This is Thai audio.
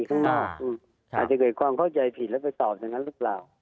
อาจจะเกิดความเข้าใจผิดแล้วไปตอบอย่างนั้นรึเปล่า